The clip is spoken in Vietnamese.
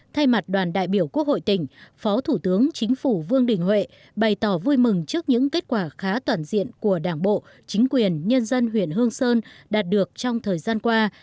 thay mặt đoàn đại biểu quốc hội tỉnh phó thủ tướng chính phủ vương đình huệ bày tỏ vui mừng trước những kết quả khá toàn diện của đảng bộ chính quyền nhân dân huyện hương sơn đạt được trong thời gian qua